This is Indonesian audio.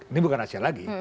ini bukan rahasia lagi